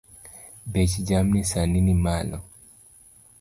Bech jamni sani ni malo